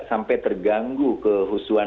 sampai terganggu kehusuan